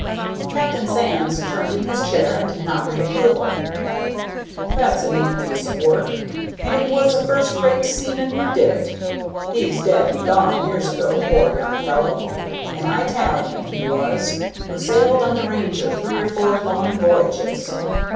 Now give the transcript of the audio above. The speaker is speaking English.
Captain Sands turned in his chair and nodded approval. "That's a neat piece of work, and it was a first rate seaman who did it; he's dead and gone years ago, poor young fellow; an I talian he was, who sailed on the Ranger three or four long voyages.